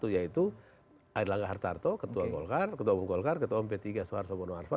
satu yaitu air langga hartarto ketua golkar ketua bung golkar ketua mp tiga soeharto bono arfa dan ketua bung golkar